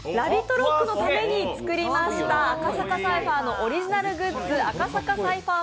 ＲＯＣＫのために作りました赤坂サイファーのオリジナルグッズ、赤坂サイファー